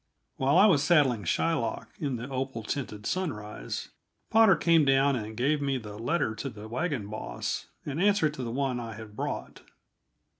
While I was saddling Shylock, in the opal tinted sunrise, Potter came down and gave me the letter to the wagon boss, an answer to the one I had brought.